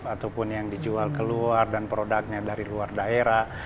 ataupun yang dijual keluar dan produknya dari luar daerah